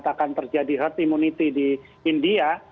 akan terjadi herd immunity di india